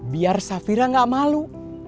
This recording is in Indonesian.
biar safira gak malu